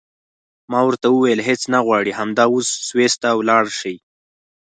ما ورته وویل هېڅ نه غواړې همدا اوس سویس ته ولاړه شې.